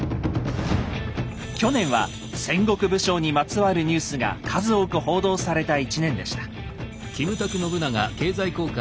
去年は戦国武将にまつわるニュースが数多く報道された１年でした。